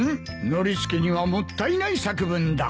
ノリスケにはもったいない作文だ。